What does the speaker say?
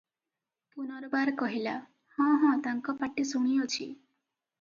ପୁନର୍ବାର କହିଲା, " ହଁ ହଁ ତାଙ୍କ ପାଟି ଶୁଣିଅଛି ।